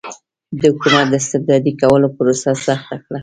د حکومت د استبدادي کولو پروسه سخته کړه.